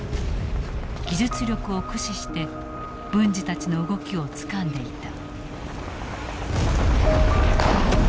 技術力を駆使して文次たちの動きをつかんでいた。